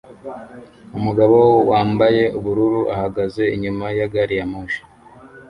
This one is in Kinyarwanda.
Umugabo wambaye ubururu ahagaze inyuma ya gari ya moshi